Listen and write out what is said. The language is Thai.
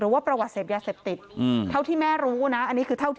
หรือว่าประวัติเสพยาเสพติดเท่าที่แม่รู้นะ